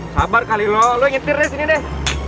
sabar kaliloh lo nyetir deh sini deh